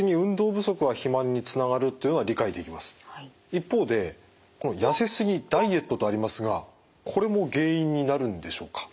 一方でこの「痩せすぎ」「ダイエット」とありますがこれも原因になるんでしょうか。